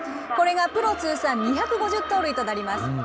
これがプロ通算２５０盗塁となります。